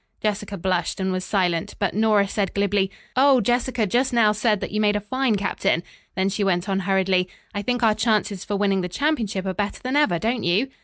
Jessica blushed and was silent, but Nora said glibly, "Oh, Jessica just now said that you made a fine captain." Then she went on hurriedly, "I think our chances for winning the championship are better than ever, don't you?"